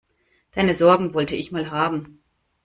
Deine Sorgen wollte ich mal haben.